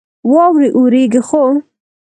واورې اوريږي ،خو